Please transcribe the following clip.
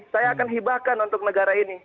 saya akan hibahkan untuk negara ini